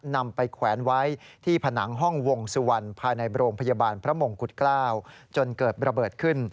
นำไปแขวนไว้ที่ผนังห้องวงสุวรรณภายในโรงพยาบาลพระมงกุฎเกล้าจนเกิดระเบิดขึ้น